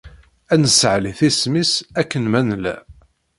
Ad nessaɛlit isem-is akken ma nella.